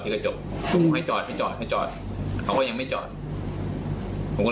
ผมก็เลยยิงไปเลยน่ะ